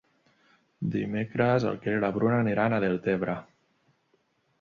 Dimecres en Quel i na Bruna aniran a Deltebre.